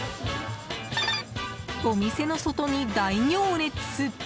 お店の外に大行列！